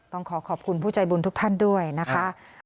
ต้องขอขอบคุณผู้ใจบุญทุกท่านด้วยนะคะ